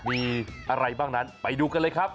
มีอะไรบ้างนั้นไปดูกันเลยครับ